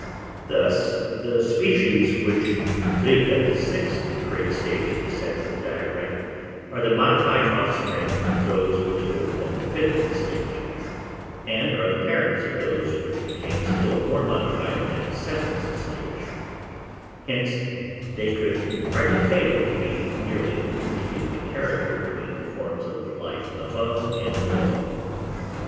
Thus the species which lived at the sixth great stage of descent in the diagram are the modified offspring of those which lived at the fifth stage, and are the parents of those which became still more modified at the seventh stage; hence they could hardly fail to be nearly intermediate in character between the forms of life above and below.